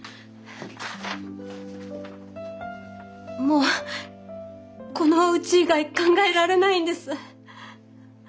もうこのうち以外考えられないんです。